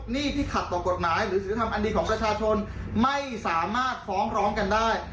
หนี้ที่ขัดต่อกฎหมายหรือศิลธรรมอันดีของประชาชนไม่สามารถฟ้องร้องกันได้